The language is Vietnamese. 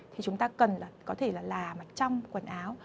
thì chúng ta cần là có thể là mặt trong quần áo